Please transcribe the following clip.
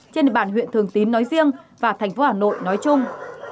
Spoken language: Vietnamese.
trên địa bàn huyện thường tín nói riêng và thành phố hà nội nói chung